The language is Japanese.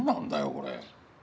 これ。